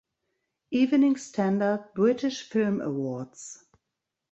Evening Standard British Film Awards